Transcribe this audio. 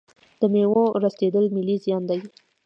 د میوو ورستیدل ملي زیان دی.